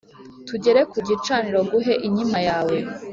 tugere ku gicaniro nguhe inkima yawe,